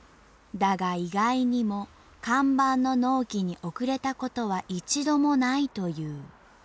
だが意外にも看板の納期に遅れたことは一度もないという。